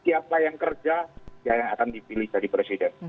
siapa yang kerja ya yang akan dipilih jadi presiden